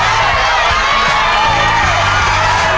๕ถ้วยครับ